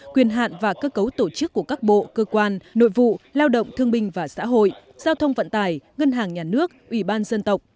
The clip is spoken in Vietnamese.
quyền hạn và cơ cấu tổ chức của các bộ cơ quan nội vụ lao động thương binh và xã hội giao thông vận tài ngân hàng nhà nước ủy ban dân tộc